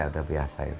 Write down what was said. ya udah biasa itu